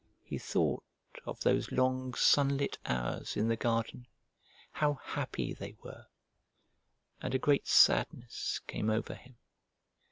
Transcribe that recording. He thought of those long sunlit hours in the garden how happy they were and a great sadness came over him.